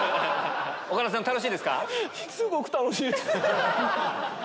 岡田さん楽しいですか？